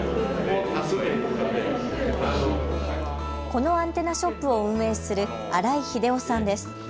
このアンテナショップを運営する荒井英郎さんです。